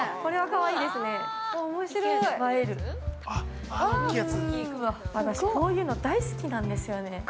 ◆うわ、私、こういうの大好きなんですよね。